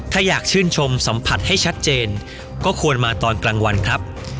ถ้าอยากชื่นชมสัมผัสให้ชัดเจนก็ควรมาตอนกลางวันครับ